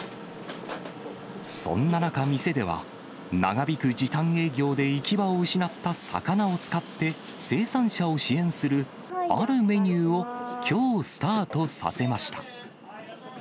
そんな中、店では長引く時短営業で行き場を失った魚を使って、生産者を支援するあるメニューを、きょうスタートさせました。